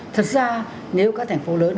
thật ra nếu các thành phố lớn